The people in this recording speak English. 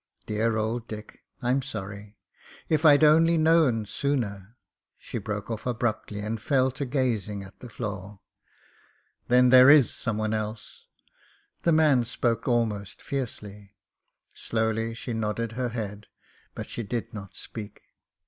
"Dear old Dick, I'm sorry. If I'd only known sooner " She broke off abruptly and fell to gazing at the floor. "Then there is someone else !" The man spoke al most fiercely. Slowly she nodded her head, but she did not speak.